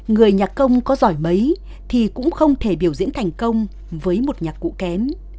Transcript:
người nhà công có giỏi mấy thì cũng không thể biểu diễn thành công với một nhạc cụ kém